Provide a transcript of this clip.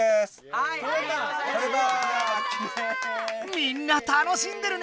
みんな楽しんでるね！